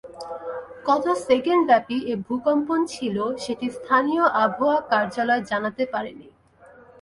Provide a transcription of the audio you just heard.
কত সেকেন্ডব্যাপী এ ভূকম্পন ছিল, সেটি স্থানীয় আবহাওয়া কার্যালয় জানাতে পারেনি।